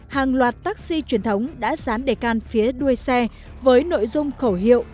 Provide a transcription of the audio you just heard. hàng loạt taxi truyền thống đã dán đề can phía đuôi xe với nội dung khẩu hiệu